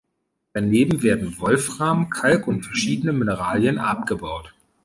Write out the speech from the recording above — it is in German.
Daneben werden Wolfram, Kalk und verschiedene Mineralien abgebaut.